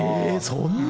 そんな。